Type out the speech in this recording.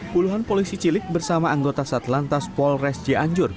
puluhan polisi cilik bersama anggota satlantas polres cianjur